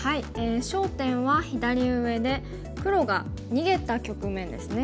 焦点は左上で黒が逃げた局面ですね。